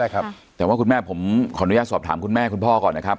ใช่ครับแต่ว่าคุณแม่ผมขออนุญาตสอบถามคุณแม่คุณพ่อก่อนนะครับ